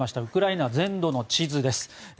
ウクライナ全土の地図です。